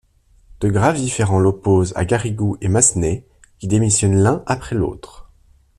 De graves différends l’opposent à Garrigou et Massenet, qui démissionnent l’un après l’autre.